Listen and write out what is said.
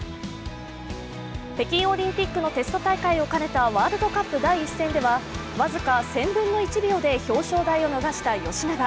北京オリンピックのテスト大会を兼ねたワールドカップ第１戦では僅か１０００分の１秒で表彰台を逃した吉永。